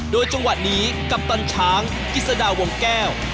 โดยจังหวะนี้กัปตันช้างกิจสดาวงแก้ว